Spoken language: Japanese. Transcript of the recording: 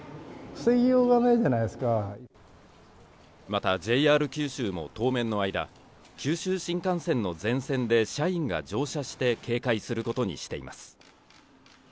またＪＲ九州は当面の間、九州新幹線の全線で社員が乗車して警戒することにしています。